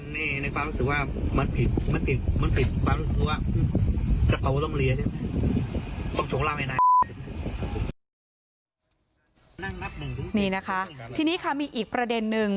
นี่นะคะทีนี้ค่ะมีอีกประเด็นนึง